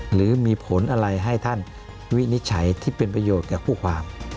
หรือมีผลอะไรให้ท่านวินิจฉัยที่เป็นประโยชน์กับผู้ความ